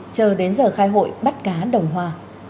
chờ đến giờ khai hội bắt cá đồng hoa